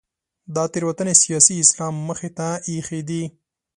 دا تېروتنې سیاسي اسلام مخې ته اېښې دي.